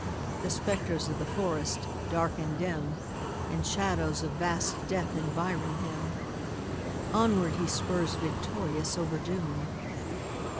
The spectres of the forest, dark and dim, And shadows of vast death environ him Onward he spurs victorious over doom.